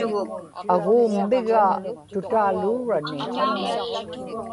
aguummigaa tutaaluurani